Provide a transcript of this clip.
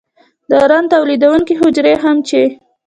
د رنګ تولیدونکي حجرې هم چې